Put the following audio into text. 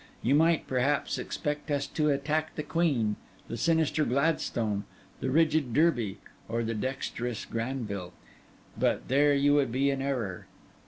You might, perhaps, expect us to attack the Queen, the sinister Gladstone, the rigid Derby, or the dexterous Granville; but there you would be in error.